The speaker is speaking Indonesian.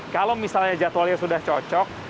kalau misalnya jadwalnya sudah cocok